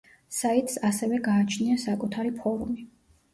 საიტს ასევე გააჩნია საკუთარი ფორუმი.